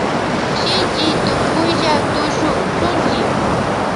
Shinchi tukuylla tushuchunchi.